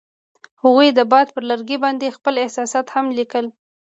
هغوی د باد پر لرګي باندې خپل احساسات هم لیکل.